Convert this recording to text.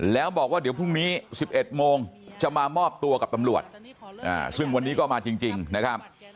แล้วบอกว่าเดี๋ยวพรุ่งนี้๑๑โมงจะมามอบตัวกับตำรวจซึ่งวันนี้ก็มาจริงนะครับ